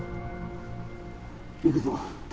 行くぞ。